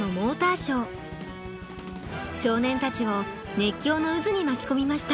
少年たちを熱狂の渦に巻き込みました。